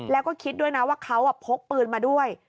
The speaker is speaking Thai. แล้วก็คิดด้วยนะว่าเขาพกปืนมาด้วย